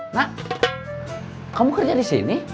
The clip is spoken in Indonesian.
nak kamu kerja di sini